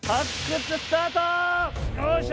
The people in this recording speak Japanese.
よいしょ！